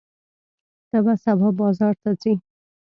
ته به سبا بازار ته ځې؟